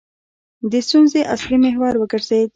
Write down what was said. د ستونزې اصلي محور وګرځېد.